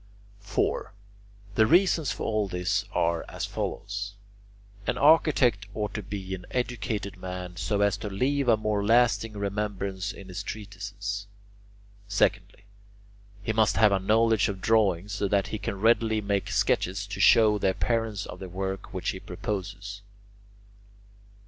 4. The reasons for all this are as follows. An architect ought to be an educated man so as to leave a more lasting remembrance in his treatises. Secondly, he must have a knowledge of drawing so that he can readily make sketches to show the appearance of the work which he proposes.